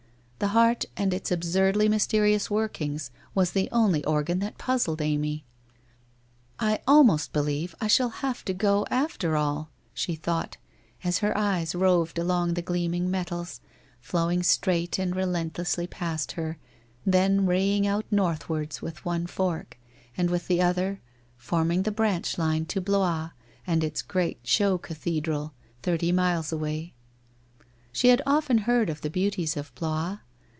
The heart and its absurdly mysterious workings, was the only organ that puzzled Amy. ' I almost believe I shall have to go after all !' she thought, as her eyea roved along the gleaming metals, flowing straight and relentlessly past her, then raying out northwards with one fork, and with the other forming the branch line to Blois and its great show cathedral, thirty miles away. She had often heard of the beauties of Blois.